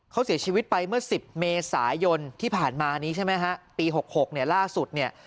เขาเสียชีวิตไปเมื่อ๑๐เมษายนที่ผ่านมานี้ใช่ไหมฮะปี๖๖เนี่ยล่าสุดเนี่ย